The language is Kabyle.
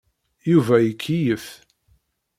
Yuba ikeyyef.